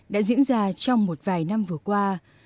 đã diễn ra trong một vài năm vừa qua